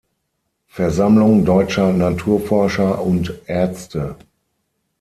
Versammlung deutscher Naturforscher und Ärzte“.